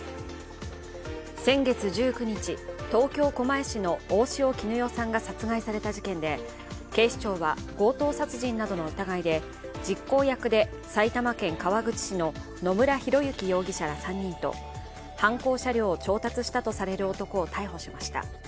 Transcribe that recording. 先月１９日、東京・狛江市の大塩衣与さんが殺害された事件で警視庁は強盗殺人などの疑いで実行役で埼玉県川口市の野村広之容疑者ら３人と犯行車両を調達したとされる男を逮捕しました。